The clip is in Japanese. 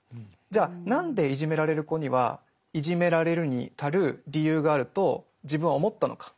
じゃあ何でいじめられる子にはいじめられるに足る理由があると自分は思ったのか。